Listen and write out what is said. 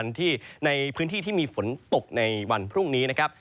ที่ในพื้นที่ที่มีฝนตกในวันพรุ่งนี้นะครับ